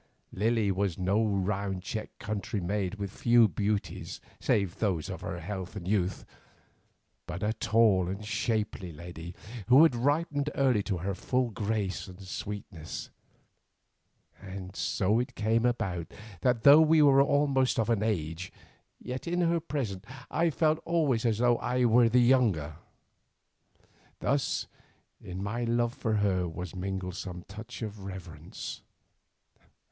Lily was no round checked country maid with few beauties save those of health and youth, but a tall and shapely lady who had ripened early to her full grace and sweetness, and so it came about that though we were almost of an age, yet in her presence I felt always as though I were the younger. Thus in my love for her was mingled some touch of reverence.